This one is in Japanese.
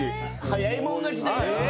早い者勝ちだよ。